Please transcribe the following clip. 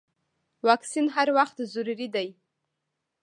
واکسین هر وخت ضروري دی.